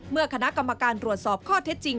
เมื่อคณะกรรมการตรวจสอบข้อเท็จจริง